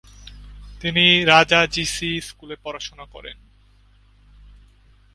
তিনি Raja G C স্কুলে পড়াশোনা করেন।